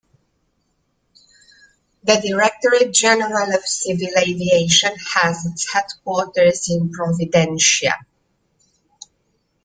The Directorate General of Civil Aviation has its headquarters in Providencia.